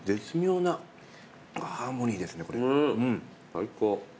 最高。